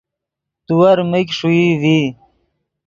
تیور میگ ݰوئی ڤی